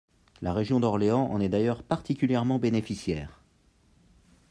La région d’Orléans en est d’ailleurs particulièrement bénéficiaire.